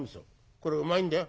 これうまいんだよ。